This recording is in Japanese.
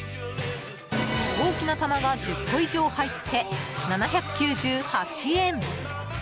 大きな玉が１０個以上入って７９８円。